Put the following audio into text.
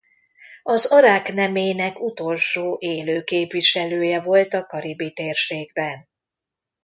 Az arák nemének utolsó élő képviselője volt a karibi térségben.